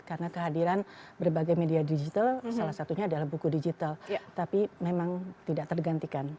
karena kehadiran berbagai media digital salah satunya adalah buku digital tapi memang tidak tergantikan